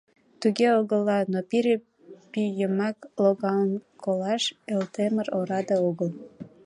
Туге огыла, но пире пӱй йымак логалын колаш Элтемыр ораде огыл.